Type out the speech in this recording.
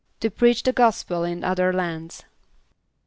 =To preach the gospel in other lands.